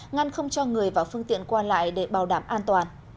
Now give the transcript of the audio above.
ngăn không cho người và phương tiện qua lại để bảo đảm an toàn